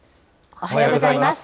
おはようございます。